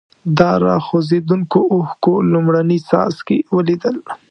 د را خوځېدونکو اوښکو لومړني څاڅکي ولیدل.